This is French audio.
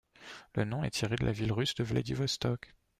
Le nom est tiré de la ville russe de Vladivostok.